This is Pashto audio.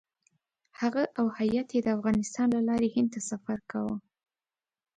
هغه او هیات یې د افغانستان له لارې هند ته سفر کاوه.